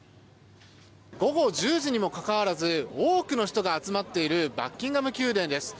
午後１０時にもかかわらず多くの人が集まっているバッキンガム宮殿です。